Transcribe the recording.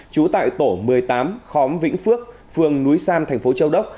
trú tại tổ một mươi tám khóm vĩnh phước phường núi sam tp châu đốc